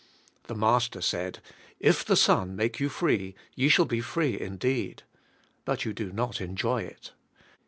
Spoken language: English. The Master said, '' If the Son make you free ye shall be free indeed," but you do not enjoy it.